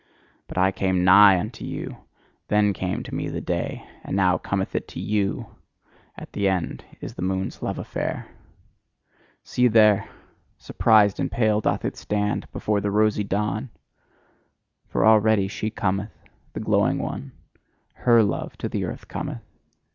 But I came NIGH unto you: then came to me the day, and now cometh it to you, at an end is the moon's love affair! See there! Surprised and pale doth it stand before the rosy dawn! For already she cometh, the glowing one, HER love to the earth cometh!